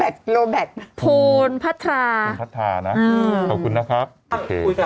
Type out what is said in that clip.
โบราณโบราณภูนิภัฏธาอืมภูนิภัฏธานะขอบคุณนะครับ